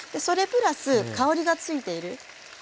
それプラス香りがついている。